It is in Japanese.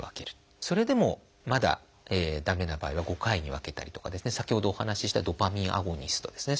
それでもまだ駄目な場合は５回に分けたりとか先ほどお話ししたドパミンアゴニストですね